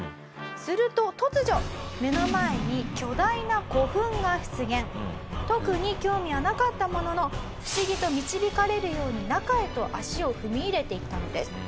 すると突如特に興味はなかったものの不思議と導かれるように中へと足を踏み入れていったのです。